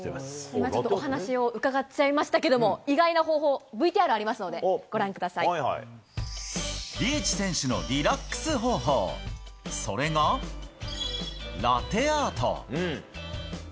今ちょっとお話を伺っちゃいましたけど、意外な方法、リーチ選手のリラックス方法、それが、ラテアート。